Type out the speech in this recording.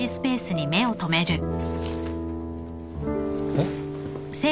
えっ？